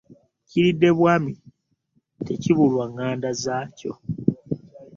Kiridde bwami tekibulwa nganda z'akyo .